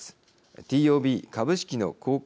ＴＯＢ株式の公開